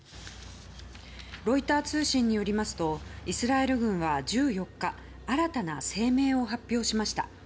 ロイター通信によりますとイスラエル軍は、１４日新たな声明を発表しました。